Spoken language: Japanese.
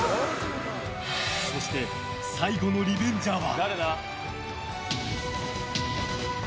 そして最後のリベンジャーは。